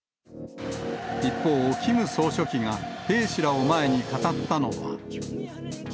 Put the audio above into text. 一方、キム総書記が兵士らを前に語ったのは。